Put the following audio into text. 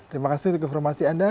terima kasih untuk informasi anda